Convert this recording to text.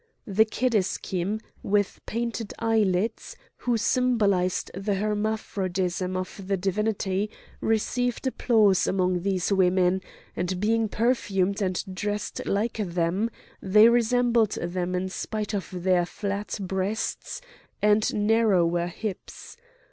The Kedeschim, with painted eyelids, who symbolised the hermaphrodism of the Divinity, received applause among these women, and, being perfumed and dressed like them, they resembled them in spite of their flat breasts and narrower hips.